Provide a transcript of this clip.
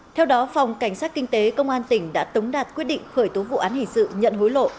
theo đó phòng cảnh sát kinh tế công an tỉnh đã tống đạt quyết định khởi tố vụ án hình sự nhận hối lộ